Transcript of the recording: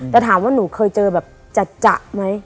แต่ถามว่าหนูเคยเจอแบบจะไหม